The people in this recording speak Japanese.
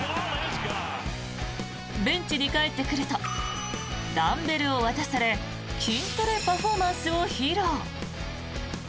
ベンチに帰ってくるとダンベルを渡され筋トレパフォーマンスを披露。